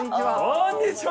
こんにちは！